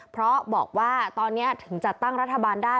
เพราะบอกว่าตอนนี้ถึงจัดตั้งรัฐบาลได้